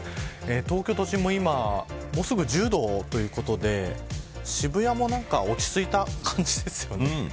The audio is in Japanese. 東京都心も今もうすぐ１０度ということで渋谷も落ち着いた感じですよね。